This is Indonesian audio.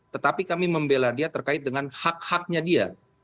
tetapi kami membela dia terkait dengan hak haknya dia